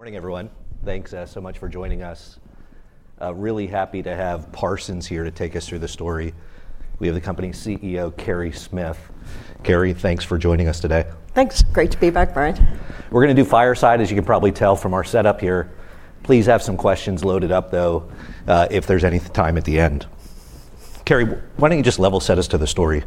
Morning, everyone. Thanks so much for joining us. Really happy to have Parsons here to take us through the story. We have the company CEO, Carey Smith. Carey, thanks for joining us today. Thanks. Great to be back, Brian. We're going to do fireside, as you can probably tell from our setup here. Please have some questions loaded up, though, if there's any time at the end. Carey, why don't you just level set us to the story?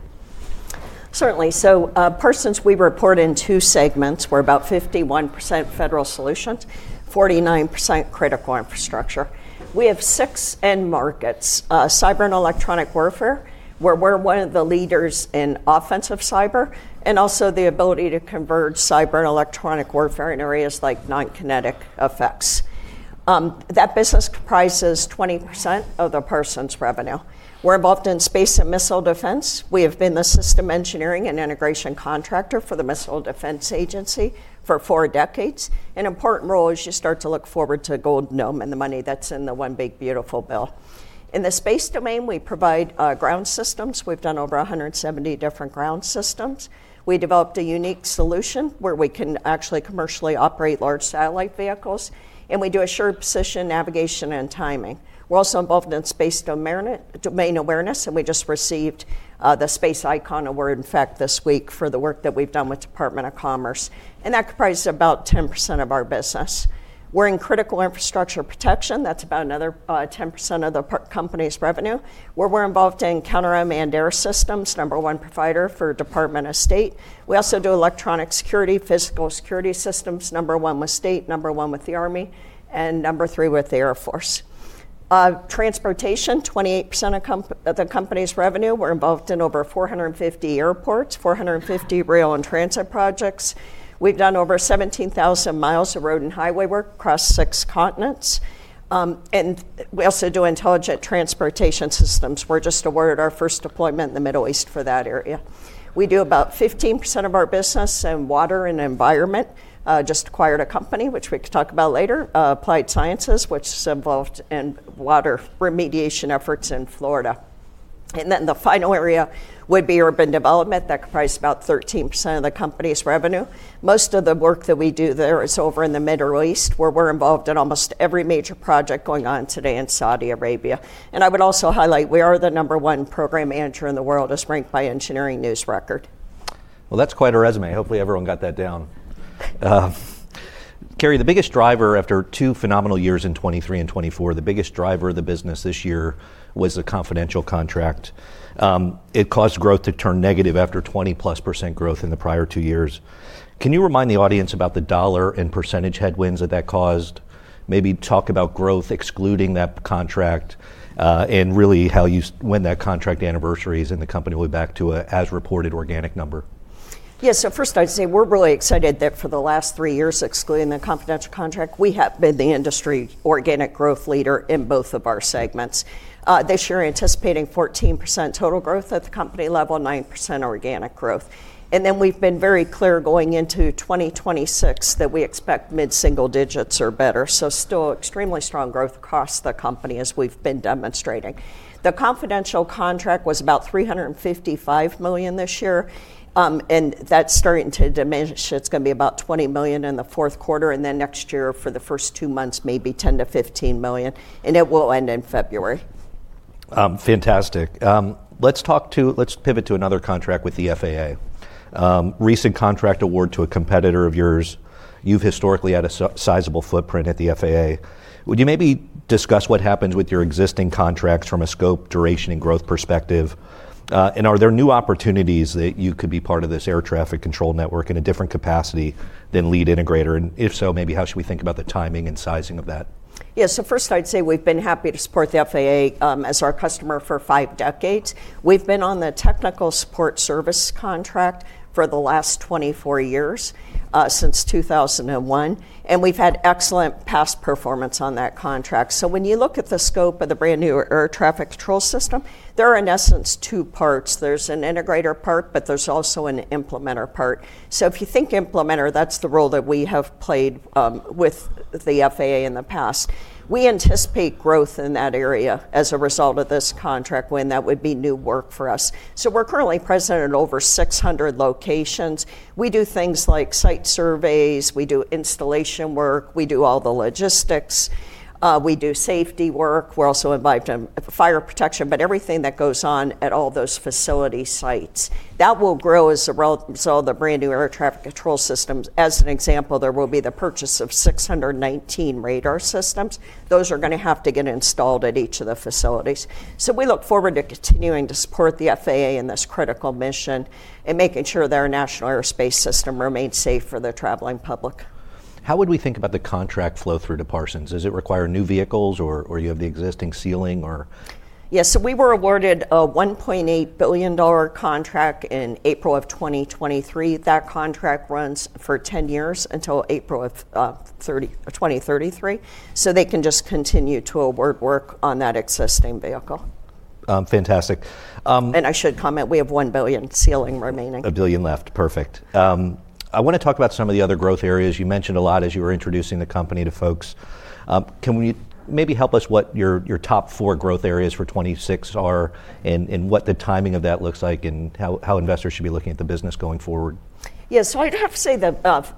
Certainly. So Parsons, we report in two segments. We're about 51% Federal Solutions, 49% Critical Infrastructure. We have six end markets: Cyber and Electronic Warfare, where we're one of the leaders in offensive cyber, and also the ability to converge Cyber and Electronic Warfare in areas like non-kinetic effects. That business comprises 20% of the Parsons revenue. We're involved in Space and Missile Defense. We have been the system engineering and integration contractor for the Missile Defense Agency for four decades. An important role is you start to look forward to the Golden Dome, the money that's in the One Big Beautiful Bill. In the space domain, we provide ground systems. We've done over 170 different ground systems. We developed a unique solution where we can actually commercially operate large satellite vehicles, and we do assured position, navigation, and timing. We're also involved in space domain awareness, and we just received the Space Icon Award, in fact, this week for the work that we've done with the Department of Commerce. And that comprises about 10% of our business. We're in Critical Infrastructure Protection. That's about another 10% of the company's revenue. We're involved in counter-unmanned aircraft systems, number one provider for the Department of State. We also do electronic security, physical security systems, number one with State, number one with the Army, and number three with the Air Force. Transportation, 28% of the company's revenue. We're involved in over 450 airports, 450 rail and transit projects. We've done over 17,000 mi of road and highway work across six continents. And we also do intelligent transportation systems. We're just awarded our first deployment in the Middle East for that area. We do about 15% of our business in Water and Environment. Just acquired a company, which we could talk about later, Applied Sciences, which is involved in water remediation efforts in Florida, and then the final area would be Urban Development. That comprises about 13% of the company's revenue. Most of the work that we do there is over in the Middle East, where we're involved in almost every major project going on today in Saudi Arabia, and I would also highlight we are the number one program manager in the world, as ranked by Engineering News-Record. Well, that's quite a resume. Hopefully, everyone got that down. Carey, the biggest driver after two phenomenal years in 2023 and 2024, the biggest driver of the business this year was the confidential contract. It caused growth to turn negative after 20%+ growth in the prior two years. Can you remind the audience about the dollar and percentage headwinds that that caused? Maybe talk about growth excluding that contract and really how you win that contract anniversaries and the company way back to an as-reported organic number. Yes. So first, I'd say we're really excited that for the last three years, excluding the confidential contract, we have been the industry organic growth leader in both of our segments. This year, anticipating 14% total growth at the company level, 9% organic growth. And then we've been very clear going into 2026 that we expect mid-single digits or better. So still extremely strong growth across the company, as we've been demonstrating. The confidential contract was about $355 million this year, and that's starting to diminish. It's going to be about $20 million in the fourth quarter, and then next year for the first two months, maybe $10 million-$15 million, and it will end in February. Fantastic. Let's pivot to another contract with the FAA. Recent contract award to a competitor of yours. You've historically had a sizable footprint at the FAA. Would you maybe discuss what happens with your existing contracts from a scope, duration, and growth perspective? And are there new opportunities that you could be part of this air traffic control network in a different capacity than lead integrator? And if so, maybe how should we think about the timing and sizing of that? Yes. So first, I'd say we've been happy to support the FAA as our customer for five decades. We've been on the Technical Support Service Contract for the last 24 years, since 2001, and we've had excellent past performance on that contract. So when you look at the scope of the brand new air traffic control system, there are, in essence, two parts. There's an integrator part, but there's also an implementer part. So if you think implementer, that's the role that we have played with the FAA in the past. We anticipate growth in that area as a result of this contract, when that would be new work for us. So we're currently present in over 600 locations. We do things like site surveys. We do installation work. We do all the logistics. We do safety work. We're also involved in fire protection, but everything that goes on at all those facility sites. That will grow as a result of the brand new air traffic control systems. As an example, there will be the purchase of 619 radar systems. Those are going to have to get installed at each of the facilities. So we look forward to continuing to support the FAA in this critical mission and making sure that our national airspace system remains safe for the traveling public. How would we think about the contract flow through to Parsons? Does it require new vehicles, or do you have the existing ceiling, or? Yes. So we were awarded a $1.8 billion contract in April of 2023. That contract runs for 10 years until April of 2033. So they can just continue to award work on that existing vehicle. Fantastic. I should comment we have $1 billion ceiling remaining. $1 billion left. Perfect. I want to talk about some of the other growth areas. You mentioned a lot as you were introducing the company to folks. Can you maybe help us what your top four growth areas for 2026 are and what the timing of that looks like and how investors should be looking at the business going forward? Yes. So I'd have to say the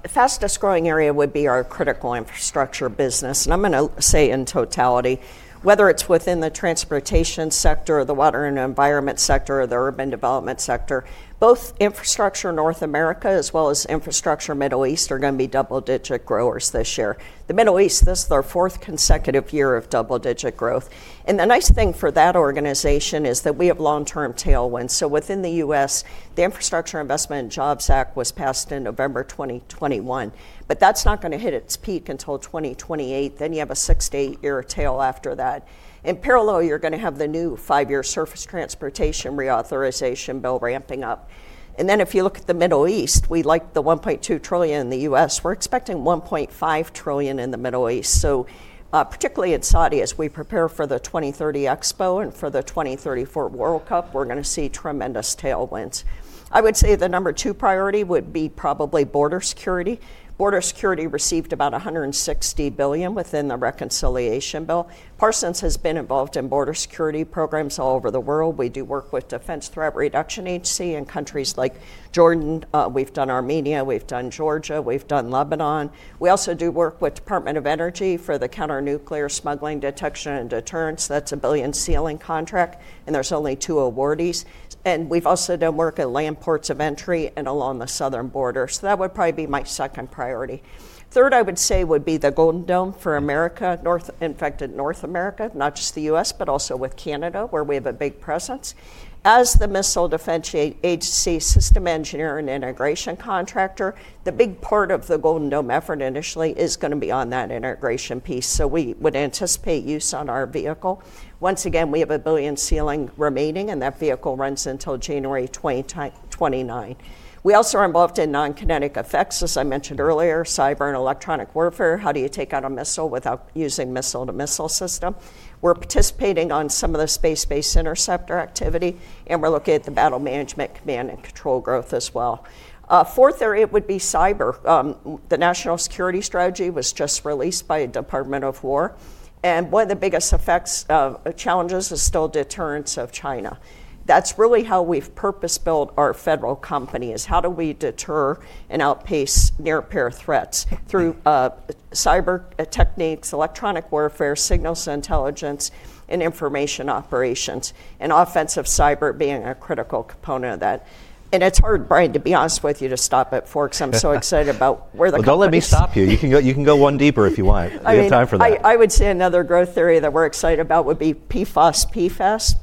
fastest growing area would be our critical infrastructure business. And I'm going to say in totality, whether it's within the transportation sector, the Water and Environment sector, or the Urban Development sector, both infrastructure in North America as well as infrastructure in the Middle East are going to be double-digit growers this year. The Middle East, this is their fourth consecutive year of double-digit growth. And the nice thing for that organization is that we have long-term tailwinds. So within the U.S., the Infrastructure Investment and Jobs Act was passed in November 2021, but that's not going to hit its peak until 2028. Then you have a six to eight-year tail after that. In parallel, you're going to have the new five-year Surface Transportation Reauthorization Bill ramping up. And then if you look at the Middle East, we like the $1.2 trillion in the U.S. We're expecting $1.5 trillion in the Middle East. So particularly in Saudi, as we prepare for the 2030 Expo and for the 2034 World Cup, we're going to see tremendous tailwinds. I would say the number two priority would be probably border security. Border security received about $160 billion within the reconciliation bill. Parsons has been involved in border security programs all over the world. We do work with Defense Threat Reduction Agency in countries like Jordan. We've done Armenia. We've done Georgia. We've done Lebanon. We also do work with the Department of Energy for the Counter-Nuclear Smuggling Detection and Deterrence. That's a $1 billion ceiling contract, and there's only two awardees. And we've also done work at land ports of entry and along the southern border. So that would probably be my second priority. Third, I would say would be the Golden Dome for America, in fact, in North America, not just the U.S., but also with Canada, where we have a big presence. As the Missile Defense Agency system engineering integration contractor, the big part of the Golden Dome effort initially is going to be on that integration piece. So we would anticipate use on our vehicle. Once again, we have a $1 billion ceiling remaining, and that vehicle runs until January 2029. We also are involved in non-kinetic effects, as I mentioned earlier, Cyber and Electronic Warfare. How do you take out a missile without using missile-to-missile system? We're participating on some of the space-based interceptor activity, and we're looking at the battle management, command, and control growth as well. Fourth area would be cyber. The National Security Strategy was just released by the Department of War, and one of the biggest effects, challenges, is still deterrence of China. That's really how we've purpose-built our federal company: how do we deter and outpace near-peer threats through cyber techniques, electronic warfare, signals intelligence, and information operations, and offensive cyber being a critical component of that, and it's hard, Brian, to be honest with you, to stop at force. I'm so excited about where the company is. Don't let me stop you. You can go one deeper if you want. We have time for that. I would say another growth area that we're excited about would be PFOS/PFAS,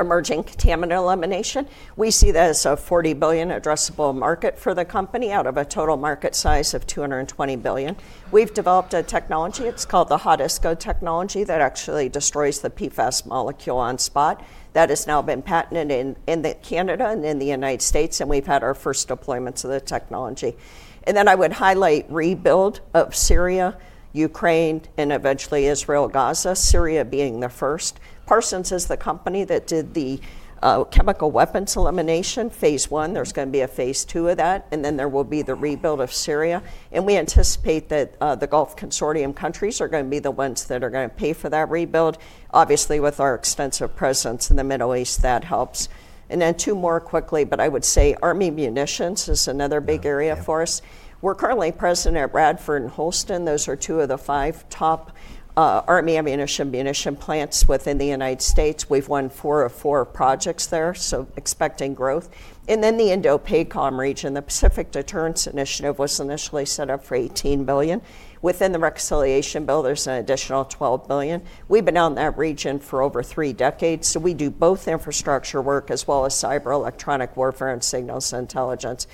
emerging contaminant elimination. We see that as a $40 billion addressable market for the company out of a total market size of $220 billion. We've developed a technology. It's called the Hot ISCO technology that actually destroys the PFAS molecule on spot. That has now been patented in Canada and in the United States, and we've had our first deployments of the technology, and then I would highlight rebuild of Syria, Ukraine, and eventually Israel, Gaza, Syria being the first. Parsons is the company that did the Chemical Weapons Elimination, phase I. There's going to be a phase II of that, and then there will be the rebuild of Syria, and we anticipate that the Gulf Consortium countries are going to be the ones that are going to pay for that rebuild. Obviously, with our extensive presence in the Middle East, that helps. And then two more quickly, but I would say Army munitions is another big area for us. We're currently present at Radford and Holston. Those are two of the five top Army ammunition plants within the United States. We've won four of four projects there, so expecting growth. And then the INDOPACOM region, the Pacific Deterrence Initiative was initially set up for $18 billion. Within the reconciliation bill, there's an additional $12 billion. We've been on that region for over three decades. So we do both infrastructure work as well as cyber, electronic warfare, and signals intelligence.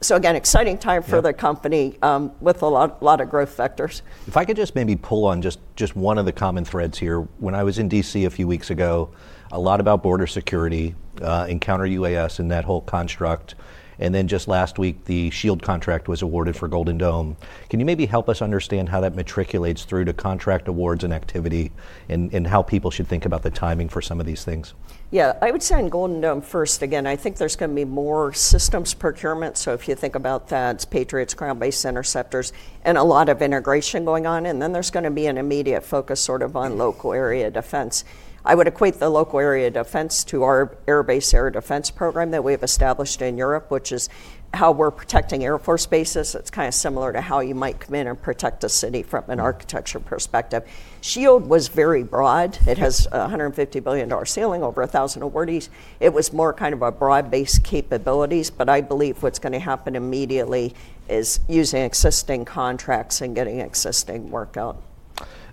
So again, exciting time for the company with a lot of growth factors. If I could just maybe pull on just one of the common threads here. When I was in D.C. a few weeks ago, a lot about border security, encounter UAS and that whole construct. And then just last week, the SHIELD contract was awarded for Golden Dome. Can you maybe help us understand how that matriculates through to contract awards and activity and how people should think about the timing for some of these things? Yeah. I would say in Golden Dome first, again, I think there's going to be more systems procurement. So if you think about that, it's Patriots, ground-based interceptors, and a lot of integration going on. And then there's going to be an immediate focus sort of on local area defense. I would equate the local area defense to our Air Base Air Defense program that we have established in Europe, which is how we're protecting air force bases. It's kind of similar to how you might come in and protect a city from an architecture perspective. SHIELD was very broad. It has a $150 billion ceiling, over 1,000 awardees. It was more kind of broad-based capabilities. But I believe what's going to happen immediately is using existing contracts and getting existing work out.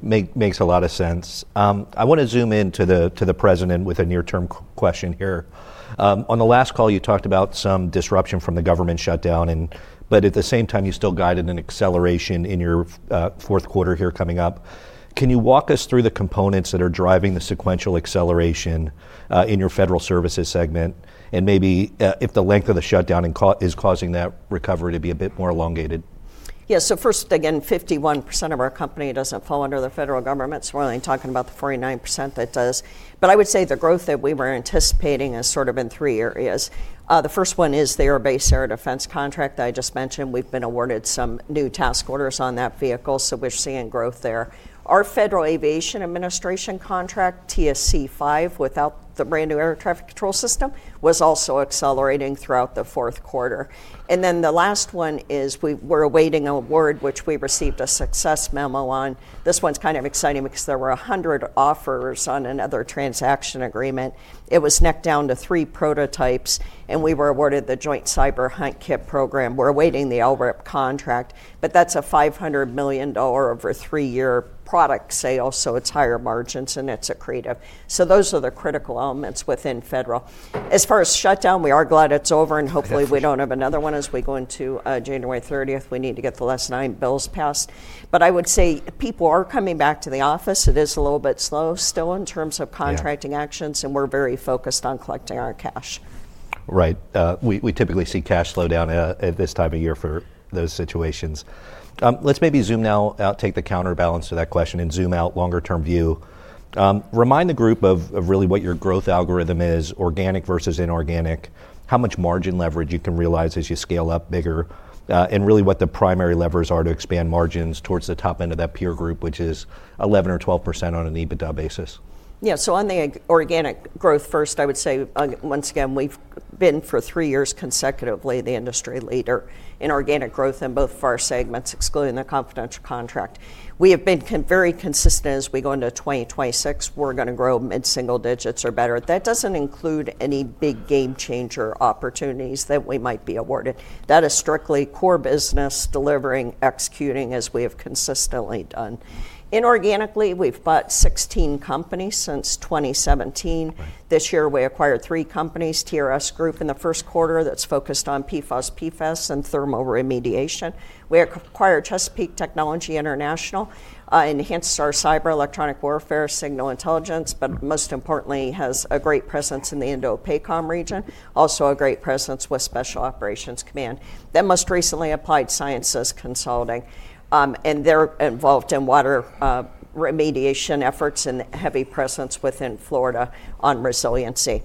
Makes a lot of sense. I want to zoom into the President with a near-term question here. On the last call, you talked about some disruption from the government shutdown, but at the same time, you still guided an acceleration in your fourth quarter here coming up. Can you walk us through the components that are driving the sequential acceleration in your Federal Solutions segment and maybe if the length of the shutdown is causing that recovery to be a bit more elongated? Yes. So first, again, 51% of our company doesn't fall under the federal government. We're only talking about the 49% that does. But I would say the growth that we were anticipating is sort of in three areas. The first one is the air base air defense contract that I just mentioned. We've been awarded some new task orders on that vehicle, so we're seeing growth there. Our Federal Aviation Administration contract, TSSC-5, without the brand new air traffic control system, was also accelerating throughout the fourth quarter. And then the last one is we were awaiting an award, which we received a success memo on. This one's kind of exciting because there were 100 offers on other transaction agreement. It was necked down to three prototypes, and we were awarded the Joint Cyber Hunt Kit program. We're awaiting the LRIP contract, but that's a $500 million over a three-year product sale, so it's higher margins and it's accretive. So those are the critical elements within federal. As far as shutdown, we are glad it's over, and hopefully we don't have another one as we go into January 30th. We need to get the last nine bills passed. But I would say people are coming back to the office. It is a little bit slow still in terms of contracting actions, and we're very focused on collecting our cash. Right. We typically see cash slow down at this time of year for those situations. Let's maybe zoom now out, take the counterbalance to that question, and zoom out longer-term view. Remind the group of really what your growth algorithm is, organic versus inorganic, how much margin leverage you can realize as you scale up bigger, and really what the primary levers are to expand margins towards the top end of that peer group, which is 11% or 12% on an EBITDA basis. Yeah. So on the organic growth first, I would say, once again, we've been for three years consecutively the industry leader in organic growth in both of our segments, excluding the confidential contract. We have been very consistent as we go into 2026. We're going to grow mid-single digits or better. That doesn't include any big game changer opportunities that we might be awarded. That is strictly core business delivering, executing, as we have consistently done. Inorganically, we've bought 16 companies since 2017. This year, we acquired three companies, TRS Group in the first quarter that's focused on PFOS/PFAS and thermal remediation. We acquired Chesapeake Technology International, enhanced our cyber electronic warfare signal intelligence, but most importantly, has a great presence in the INDOPACOM region, also a great presence with Special Operations Command. Then most recently, Applied Sciences Consulting, and they're involved in water remediation efforts and heavy presence within Florida on resiliency.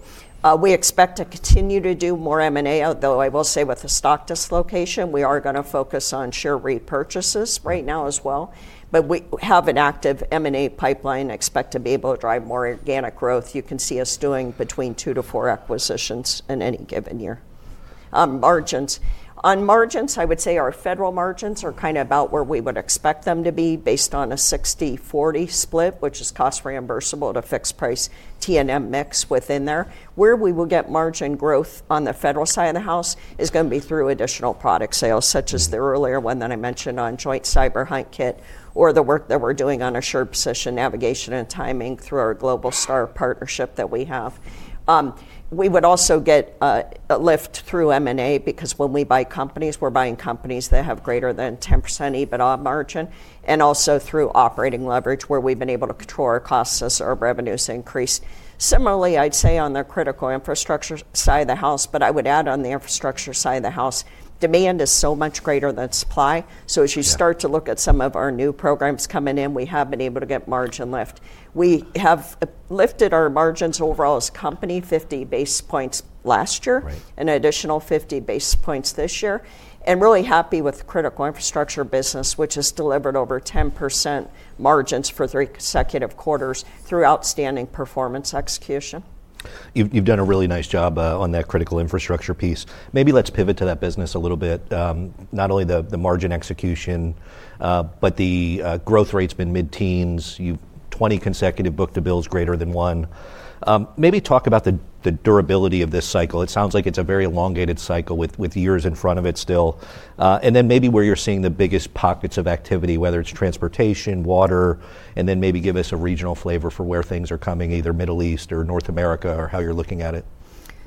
We expect to continue to do more M&A, although I will say with the stock dislocation, we are going to focus on share repurchases right now as well. But we have an active M&A pipeline, expect to be able to drive more organic growth. You can see us doing between two to four acquisitions in any given year. Margins. On margins, I would say our federal margins are kind of about where we would expect them to be based on a 60/40 split, which is cost reimbursable to fixed price T&M mix within there. Where we will get margin growth on the federal side of the house is going to be through additional product sales, such as the earlier one that I mentioned on Joint Cyber Hunt Kit or the work that we're doing on assured position, navigation, and timing through our Globalstar partnership that we have. We would also get a lift through M&A because when we buy companies, we're buying companies that have greater than 10% EBITDA margin and also through operating leverage, where we've been able to control our costs as our revenues increase. Similarly, I'd say on the critical infrastructure side of the house, but I would add on the infrastructure side of the house, demand is so much greater than supply. So as you start to look at some of our new programs coming in, we have been able to get margin lift. We have lifted our margins overall as a company 50 basis points last year and additional 50 basis points this year, and really happy with the critical infrastructure business, which has delivered over 10% margins for three consecutive quarters through outstanding performance execution. You've done a really nice job on that critical infrastructure piece. Maybe let's pivot to that business a little bit, not only the margin execution, but the growth rate's been mid-teens. You've 20 consecutive book-to-bills greater than one. Maybe talk about the durability of this cycle. It sounds like it's a very elongated cycle with years in front of it still. And then maybe where you're seeing the biggest pockets of activity, whether it's transportation, water, and then maybe give us a regional flavor for where things are coming, either Middle East or North America or how you're looking at it.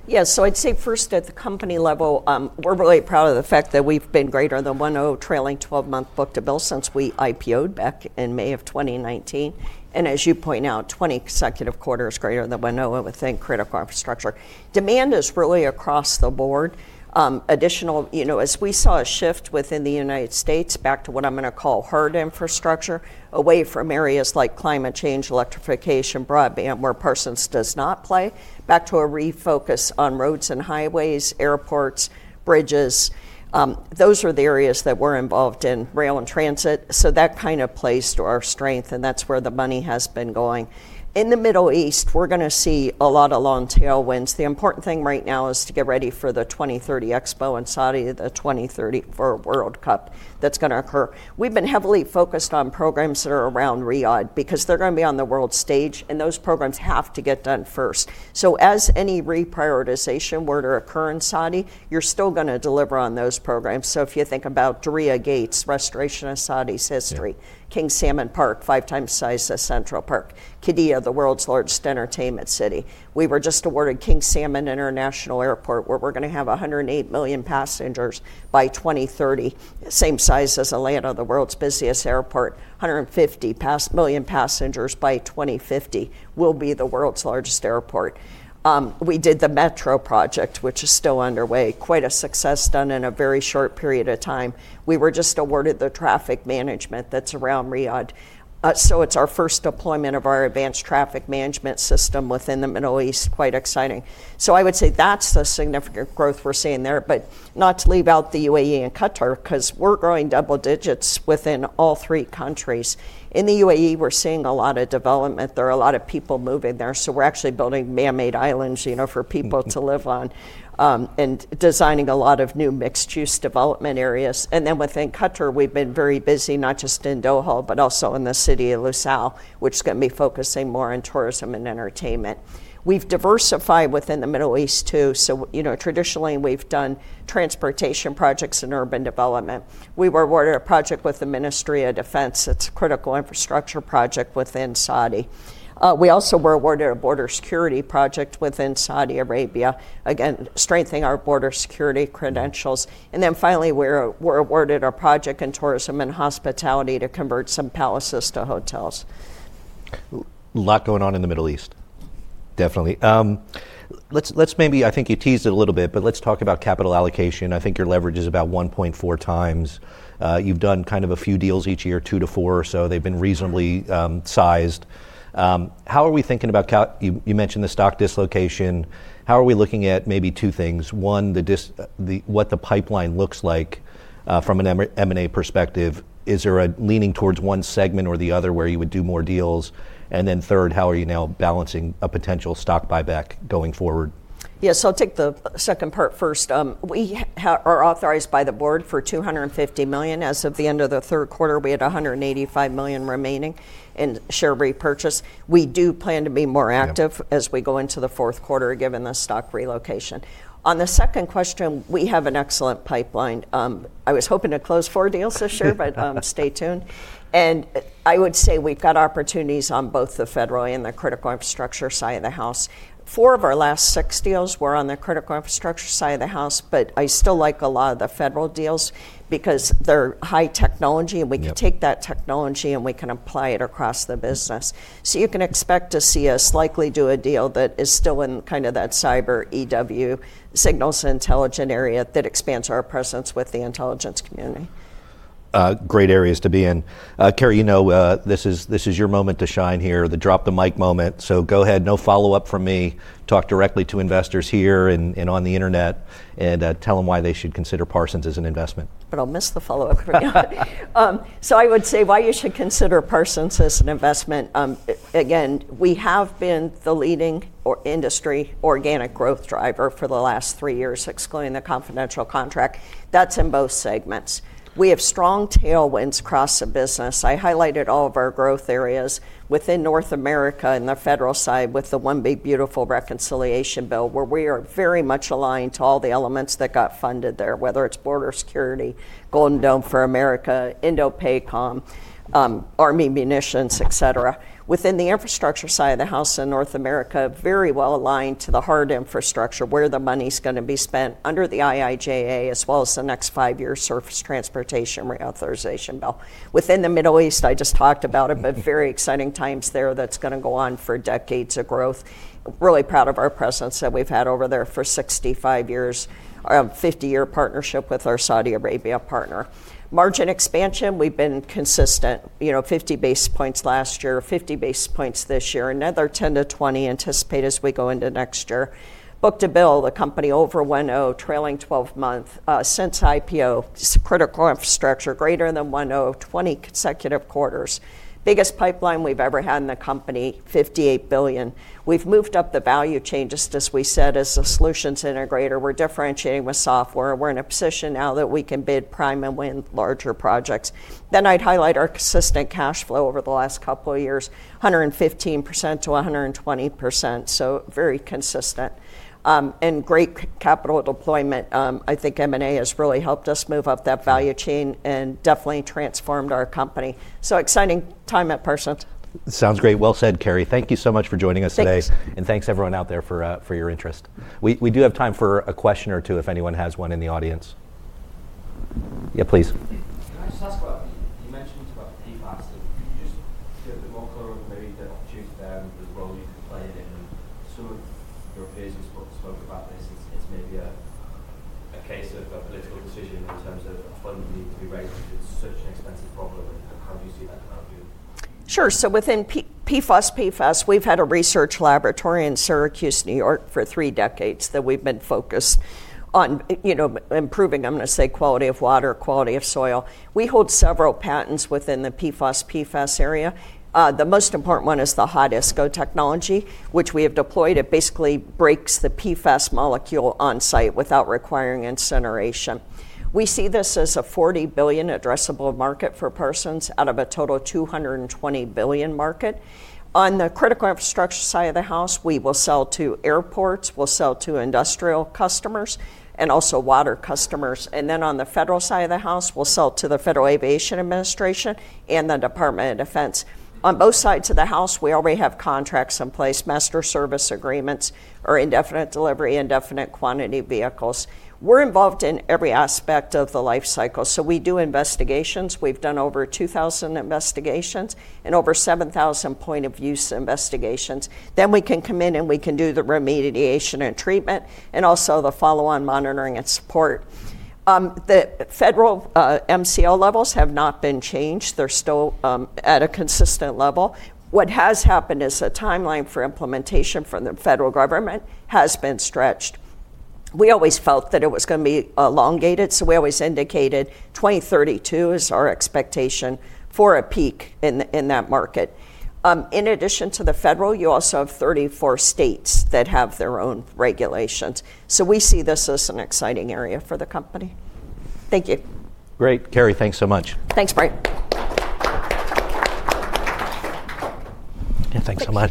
Yes. So I'd say first at the company level, we're really proud of the fact that we've been greater than 1.0, trailing 12-month book to bill since we IPO'd back in May of 2019. And as you point out, 20 consecutive quarters greater than 1.0 within critical infrastructure. Demand is really across the board. Additionally, you know, as we saw a shift within the United States back to what I'm going to call hard infrastructure, away from areas like climate change, electrification, broadband, where Parsons does not play, back to a refocus on roads and highways, airports, bridges. Those are the areas that we're involved in, rail and transit. So that kind of plays to our strength, and that's where the money has been going. In the Middle East, we're going to see a lot of long-tailwinds. The important thing right now is to get ready for the 2030 Expo in Saudi, the 2034 World Cup that's going to occur. We've been heavily focused on programs that are around Riyadh because they're going to be on the world stage, and those programs have to get done first. So as any reprioritization, whether it occur in Saudi, you're still going to deliver on those programs. So if you think about Diriyah Gate, restoration of Saudi's history, King Salman Park, five times the size of Central Park, Qiddiya, the world's largest entertainment city. We were just awarded King Salman International Airport, where we're going to have 108 million passengers by 2030, same size as Atlanta, the world's busiest airport, 150 million passengers by 2050, will be the world's largest airport. We did the Metro project, which is still underway, quite a success done in a very short period of time. We were just awarded the traffic management that's around Riyadh. So it's our first deployment of our advanced traffic management system within the Middle East, quite exciting. So I would say that's the significant growth we're seeing there. But not to leave out the UAE and Qatar because we're growing double digits within all three countries. In the UAE, we're seeing a lot of development. There are a lot of people moving there. So we're actually building manmade islands, you know, for people to live on and designing a lot of new mixed-use development areas. And then within Qatar, we've been very busy, not just in Doha, but also in the city of Lusail, which is going to be focusing more on tourism and entertainment. We've diversified within the Middle East too. So, you know, traditionally, we've done transportation projects and Urban Development. We were awarded a project with the Ministry of Defense. It's a critical infrastructure project within Saudi. We also were awarded a border security project within Saudi Arabia, again, strengthening our border security credentials. And then finally, we were awarded a project in tourism and hospitality to convert some palaces to hotels. A lot going on in the Middle East, definitely. Let's maybe, I think you teased it a little bit, but let's talk about capital allocation. I think your leverage is about 1.4 x. You've done kind of a few deals each year, two to four or so. They've been reasonably sized. How are we thinking about, you mentioned the stock dislocation. How are we looking at maybe two things? One, what the pipeline looks like from an M&A perspective. Is there a leaning towards one segment or the other where you would do more deals? And then third, how are you now balancing a potential stock buyback going forward? Yes. I'll take the second part first. We are authorized by the board for $250 million. As of the end of the third quarter, we had $185 million remaining in share repurchase. We do plan to be more active as we go into the fourth quarter, given the stock dislocation. On the second question, we have an excellent pipeline. I was hoping to close four deals this year, but stay tuned. And I would say we've got opportunities on both the federal and the critical infrastructure side of the house. Four of our last six deals were on the critical infrastructure side of the house, but I still like a lot of the federal deals because they're high technology, and we can take that technology and we can apply it across the business. So you can expect to see us likely do a deal that is still in kind of that cyber EW signals and intelligence area that expands our presence with the intelligence community. Great areas to be in. Carey, you know this is your moment to shine here, the drop-the-mic moment. So go ahead, no follow-up from me. Talk directly to investors here and on the internet and tell them why they should consider Parsons as an investment. But I'll miss the follow-up for you. So I would say why you should consider Parsons as an investment. Again, we have been the leading industry organic growth driver for the last three years, excluding the confidential contract. That's in both segments. We have strong tailwinds across the business. I highlighted all of our growth areas within North America and the federal side with the One Big Beautiful Reconciliation Bill, where we are very much aligned to all the elements that got funded there, whether it's border security, Golden Dome for America, INDOPACOM, Army munitions, et cetera. Within the infrastructure side of the house in North America, very well aligned to the hard infrastructure where the money's going to be spent under the IIJA, as well as the next five-year Surface Transportation Reauthorization Bill. Within the Middle East, I just talked about it, but very exciting times there. That's going to go on for decades of growth. Really proud of our presence that we've had over there for 65 years, a 50-year partnership with our Saudi Arabia partner. Margin expansion, we've been consistent, you know, 50 basis points last year, 50 basis points this year, another 10-20 anticipated as we go into next year. Book to bill, the company over 1.0, trailing 12 months since IPO, critical infrastructure greater than 1.0, 20 consecutive quarters. Biggest pipeline we've ever had in the company, $58 billion. We've moved up the value chain, as we said, as a solutions integrator. We're differentiating with software. We're in a position now that we can bid prime and win larger projects. Then I'd highlight our consistent cash flow over the last couple of years, 115%-120%. So very consistent and great capital deployment. I think M&A has really helped us move up that value chain and definitely transformed our company. So exciting time at Parsons. Sounds great. Well said, Carey. Thank you so much for joining us today. Thanks. And thanks everyone out there for your interest. We do have time for a question or two if anyone has one in the audience. Yeah, please. Can I just ask about, you mentioned about the PFAS. Can you just give a bit more color of maybe the opportunity there and the role you can play in it, and some of your peers have spoken about this. It's maybe a case of a political decision in terms of a fund needing to be raised because it's such an expensive problem, and how do you see that? Sure. So within PFOS/PFAS, we've had a research laboratory in Syracuse, New York, for three decades that we've been focused on, you know, improving. I'm going to say, quality of water, quality of soil. We hold several patents within the PFOS/PFAS area. The most important one is the Hot ISCO technology, which we have deployed. It basically breaks the PFAS molecule on site without requiring incineration. We see this as a $40 billion addressable market for Parsons out of a total $220 billion market. On the critical infrastructure side of the house, we will sell to airports, we'll sell to industrial customers, and also water customers. And then on the federal side of the house, we'll sell to the Federal Aviation Administration and the Department of Defense. On both sides of the house, we already have contracts in place, master service agreements, or indefinite delivery, indefinite quantity vehicles. We're involved in every aspect of the life cycle. So we do investigations. We've done over 2,000 investigations and over 7,000 point-of-use investigations. Then we can come in and we can do the remediation and treatment and also the follow-on monitoring and support. The federal MCO levels have not been changed. They're still at a consistent level. What has happened is a timeline for implementation from the federal government has been stretched. We always felt that it was going to be elongated. So we always indicated 2032 is our expectation for a peak in that market. In addition to the federal, you also have 34 states that have their own regulations. So we see this as an exciting area for the company. Thank you. Great. Carey, thanks so much. Thanks, Brian. Thanks so much.